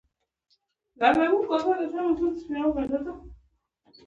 پیشو مې داسې په پټه راځي لکه غل.